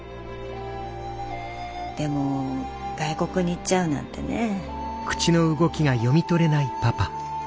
でも外国に行っちゃうなんてねえ。